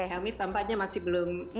mas helmy saatnya masih belum terdengar suaranya